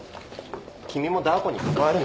君もダー子に関わるな。